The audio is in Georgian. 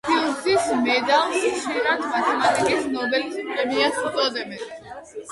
ფილდზის მედალს ხშირად მათემატიკის ნობელის პრემიას უწოდებენ.